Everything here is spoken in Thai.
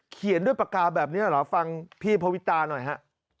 เขียนด้วยปากกาแบบนี้เหรอฟังพี่พวิตาหน่อยฮะ